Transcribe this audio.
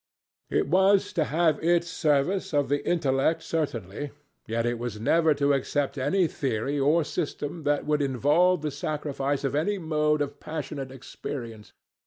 It was to have its service of the intellect, certainly, yet it was never to accept any theory or system that would involve the sacrifice of any mode of passionate experience.